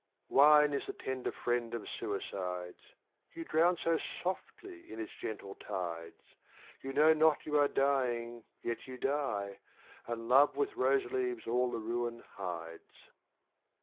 [INE is the tender friend of suicides. You drown so softly in its gentle tides: You know not you are dying, yet you die. And love with rose leaves all the ruin hides.